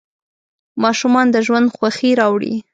ماشومان د ژوند خوښي راوړي.